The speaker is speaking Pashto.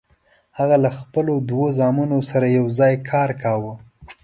هغه له خپلو دوو زامنو سره یوځای کار کاوه.